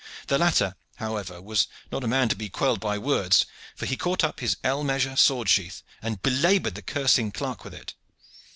The latter, however, was not a man to be quelled by words, for he caught up his ell measure sword sheath and belabored the cursing clerk with it.